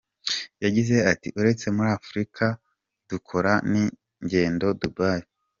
Yagize ati “Uretse muri Aufrika, dukora n’ingendo Dubai.